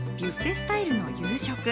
スタイルの夕食。